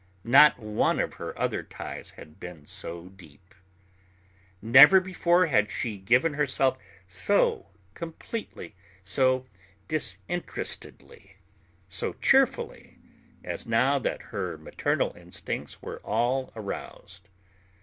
Not one of her other ties had been so deep. Never before had she given herself so completely, so disinterestedly, so cheerfully as now that her maternal instincts were all aroused.